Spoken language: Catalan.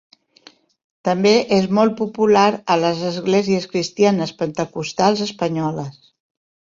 També és molt popular a les esglésies cristianes pentecostals espanyoles.